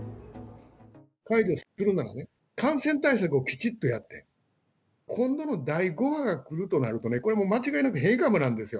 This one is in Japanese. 解除するなら、感染対策をきちっとやって、今度の第５波が来るとなると、これもう、間違いなく変異株なんですよ。